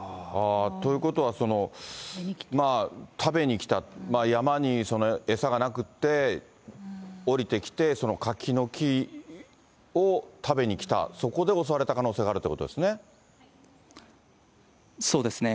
ということは、食べに来た、山に餌がなくって、下りてきて、その柿の木を食べに来た、そこで襲われた可能性があるってことでそうですね。